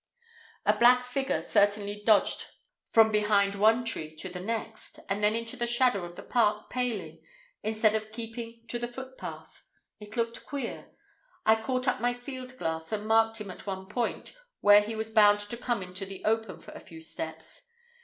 A black figure certainly dodged from behind one tree to the next, and then into the shadow of the park paling instead of keeping to the footpath. It looked queer. I caught up my field glass and marked him at one point where he was bound to come into the open for a few steps.